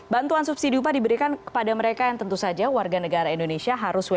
bantuan subsidi upah diberikan kepada mereka yang tentu saja warga negara indonesia harus wni